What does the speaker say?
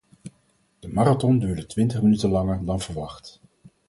De marathon duurde twintig minuten langer dan verwacht.